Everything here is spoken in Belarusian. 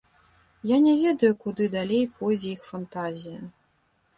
Я не ведаю, куды далей пойдзе іх фантазія.